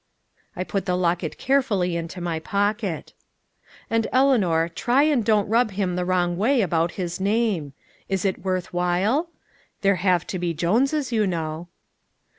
I put the locket carefully into my pocket. "And, Eleanor, try and don't rub him the wrong way about his name. Is it worth while? There have to be Joneses, you know."